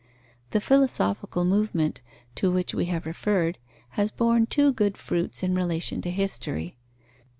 The philosophical movement, to which we have referred, has borne two good fruits in relation to history.